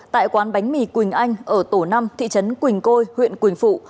tại quán bánh mì quỳnh anh ở tổ năm thị trấn quỳnh côi huyện quỳnh phụ